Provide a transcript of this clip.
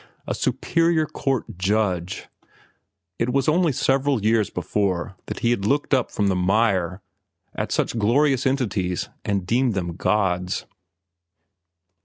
A Superior Court Judge! It was only several years before that he had looked up from the mire at such glorious entities and deemed them gods.